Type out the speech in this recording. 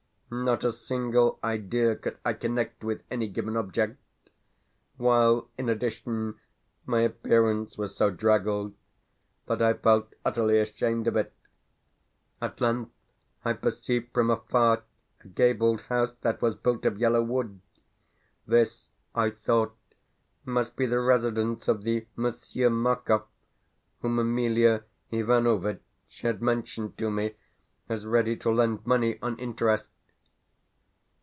Not a single idea could I connect with any given object, while, in addition, my appearance was so draggled that I felt utterly ashamed of it. At length I perceived from afar a gabled house that was built of yellow wood. This, I thought, must be the residence of the Monsieur Markov whom Emelia Ivanovitch had mentioned to me as ready to lend money on interest.